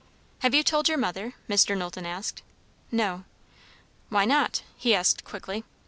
"Have you told your mother?" Mr. Knowlton asked. "No." "Why not?" he asked quickly.